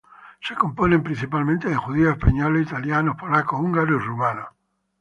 Se componen principalmente de judíos, españoles, italianos, polacos, húngaros y rumanos.